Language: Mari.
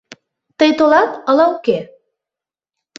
Тый толат ала уке